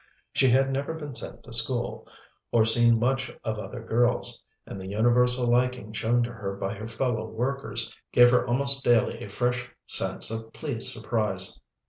She had never been sent to school, or seen much of other girls, and the universal liking shown to her by her fellow workers gave her almost daily a fresh sense of pleased surprise.